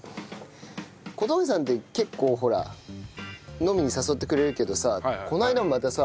小峠さんって結構ほら飲みに誘ってくれるけどさこの間もまたさ。